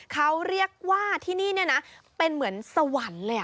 เขาเรียกว่าที่นี่เนี่ยนะเป็นเหมือนสวรรค์เลย